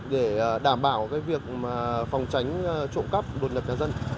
để đảm bảo việc phòng tránh trộm cắp đột nhập nhà dân